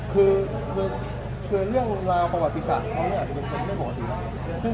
ประวัติศาสตร์เค้าเนี่ยเป็นคนที่ไม่บอกอยู่